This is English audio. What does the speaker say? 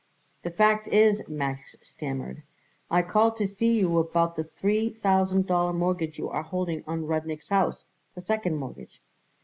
"The fact is," Max stammered, "I called to see you about the three thousand dollar mortgage you are holding on Rudnik's house the second mortgage."